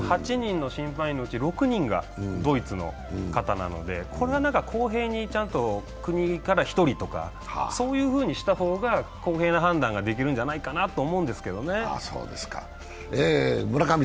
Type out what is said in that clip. ８人の審判員のうち６人がドイツの方なので、これは公平に、ちゃんと、国から１人とか、そういうふうにした方が公平な判断ができるんじゃないかなと思うんですけどね。